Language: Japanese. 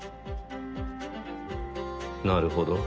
なるほど。